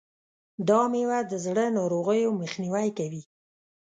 دا مېوه د زړه ناروغیو مخنیوی کوي.